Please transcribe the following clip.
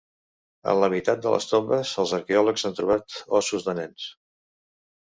En la meitat de les tombes els arqueòlegs han trobat ossos de nens.